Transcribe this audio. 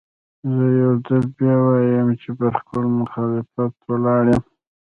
زه يو ځل بيا وايم چې پر خپل مخالفت ولاړ يم.